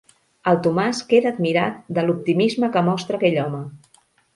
El Tomàs queda admirat de l'optimisme que mostra aquell home.